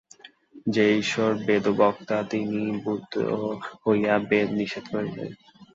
যে ঈশ্বর বেদ-বক্তা, তিনিই বুদ্ধ হইয়া বেদ নিষেধ করিতেছেন।